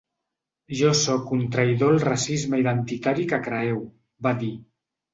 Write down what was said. Jo sóc un traïdor al racisme identitari que creeu, va dir.